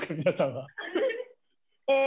皆さんは。